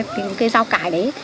từ những cây rau cải đấy